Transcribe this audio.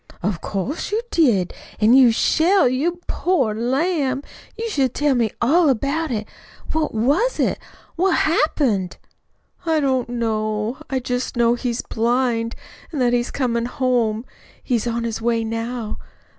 "Of course, you did! An' you shall, you poor lamb. You shall tell me all about it. What was it? What happened?" "I don't know. I just know he's blind, an' that he's comin' home. He's on his way now.